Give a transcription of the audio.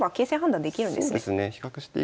そうですね。